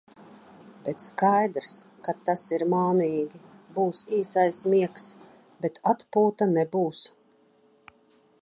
Bet skaidrs, ka tas ir mānīgi. Būs īsais miegs, bet atpūta nebūs.